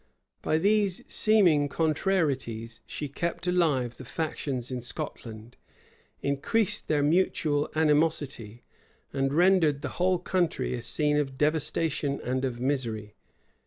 [] By these seeming contrarieties she kept alive the factions in Scotland, increased their mutual animosity, and rendered the whole country a scene of devastation and of misery.